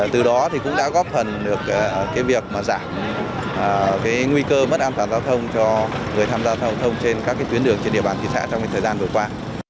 từ đó thì cũng đã góp phần được việc giảm nguy cơ mất an toàn giao thông cho người tham gia giao thông trên các tuyến đường trên địa bàn thị xã trong thời gian vừa qua